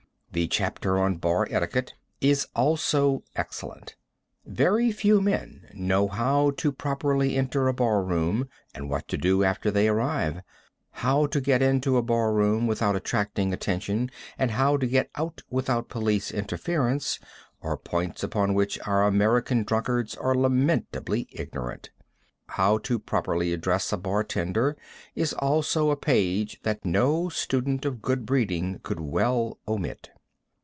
The chapter on bar etiquette is also excellent. Very few men know how to properly enter a bar room and what to do after they arrive. How to get into a bar room without attracting attention, and how to get out without police interference, are points upon which our American drunkards are lamentably ignorant. How to properly address a bar tender, is also a page that no student of good breeding could well omit.